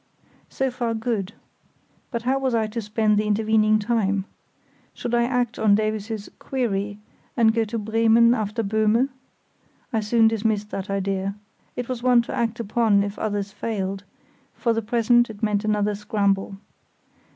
So far good; but how was I to spend the intervening time? Should I act on Davies's "querry" and go to Bremen after Böhme? I soon dismissed that idea. It was one to act upon if others failed; for the present it meant another scramble.